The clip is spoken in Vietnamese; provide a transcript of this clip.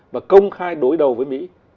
và công khai đối đầu với mỹ